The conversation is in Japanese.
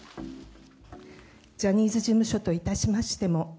ジャニーズ事務所といたしましても、